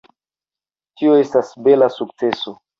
Tio estas bela sukceso.